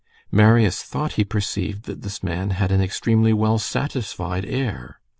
Marius thought he perceived that this man had an extremely well satisfied air.